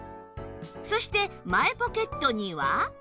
そして前ポケットには